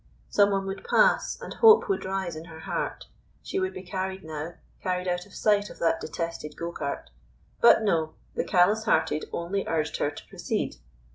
Someone would pass, and hope would rise in her heart. She would be carried now, carried out of sight of that detested go cart. But no, the callous hearted only urged her to proceed.